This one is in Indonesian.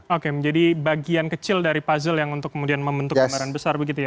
oke menjadi bagian kecil dari puzzle yang untuk kemudian membentuk gambaran besar begitu ya